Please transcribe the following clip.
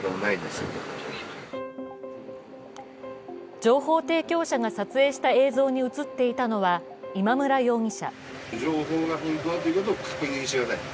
情報提供者が撮影した映像に映っていたのは今村容疑者。